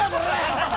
ハハハハ！